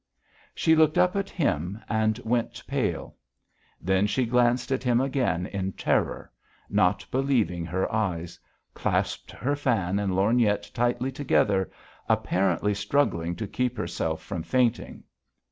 She looked up at him and went pale. Then she glanced at him again in terror, not believing her eyes, clasped her fan and lorgnette tightly together, apparently struggling to keep herself from fainting.